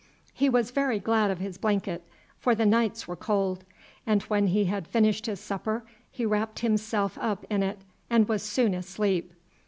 He was very glad of his blanket, for the nights were cold; and when he had finished his supper he wrapped himself up in it and was soon asleep.